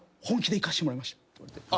本気でいかせてもらいました」